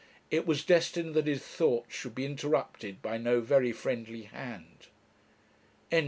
It was destined that his thoughts should be interrupted by no very friendly hand.